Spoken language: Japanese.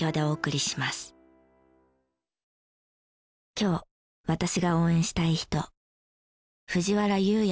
今日私が応援したい人。